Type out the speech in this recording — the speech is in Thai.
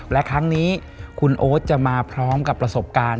และครั้งนี้คุณโอ๊ตจะมาพร้อมกับประสบการณ์